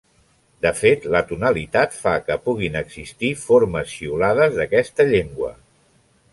De fet la tonalitat fa que puguin existir formes xiulades d'aquesta llengua.